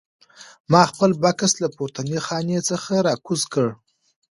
ما خپل بکس له پورتنۍ خانې څخه راکوز کړ.